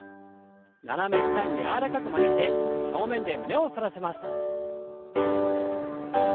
斜め下に柔らかく曲げて正面で胸を反らせます。